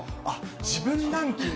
自分ランキング？